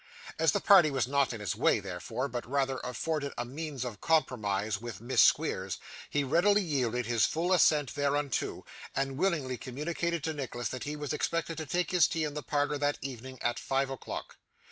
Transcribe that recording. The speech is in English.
As the party was not in his way, therefore, but rather afforded a means of compromise with Miss Squeers, he readily yielded his full assent thereunto, and willingly communicated to Nicholas that he was expected to take his tea in the parlour that evening, at five o'clock.